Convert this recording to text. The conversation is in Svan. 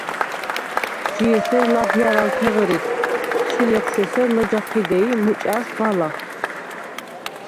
ჯი ესერ ლა̈დჲარალთე ღჷრი, ჩილეღვშ ესერ ლჷჯა ჴიდე ი მჷჭა̈რშვ ბალა.